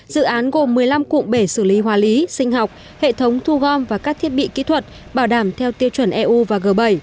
dự án gồm một mươi năm cụm bể xử lý hóa lý sinh học hệ thống thu gom và các thiết bị kỹ thuật bảo đảm theo tiêu chuẩn eu và g bảy